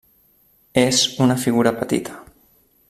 És una figura petita.